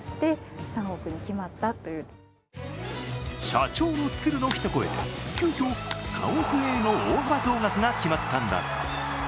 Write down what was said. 社長の鶴の一声で急きょ３億円への大幅増額が決まったんだそう。